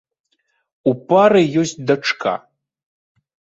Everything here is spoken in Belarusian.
У пары ёсць дачка.